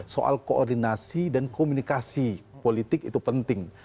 soal koordinasi dan komunikasi politik itu penting